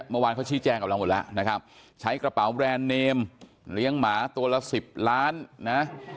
เมื่อวานเขาชี้แจงกับเราหมดแล้วนะครับใช้กระเป๋าแบรนด์เนมเลี้ยงหมาตัวละ๑๐ล้านนะ